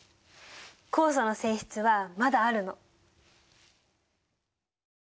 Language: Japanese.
酵素の性質はまだあるの。